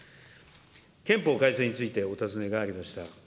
憲法改正についてお尋ねがありました。